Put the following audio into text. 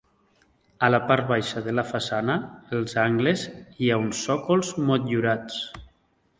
A la part baixa de la façana, als angles, hi ha uns sòcols motllurats.